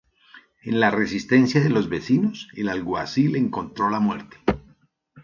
En la resistencia de los vecinos el alguacil encontró la muerte.